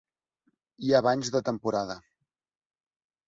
Hi ha banys de temporada.